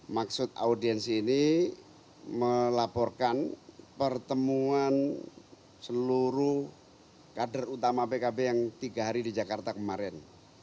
maksud audiensi ini melaporkan pertemuan seluruh kader utama pkb yang tiga hari di jakarta kemarin